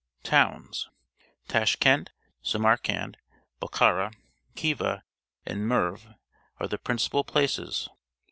Towns. — Tashkend, Samarkand, Bokhara, Khiva, and Merv are the principal places.